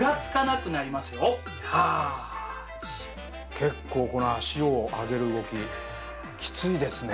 結構この足を上げる動ききついですね。